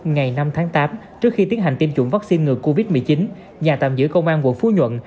ngày năm tháng tám trước khi tiến hành tiêm chủng vaccine ngừa covid một mươi chín nhà tạm giữ công an quận phú nhuận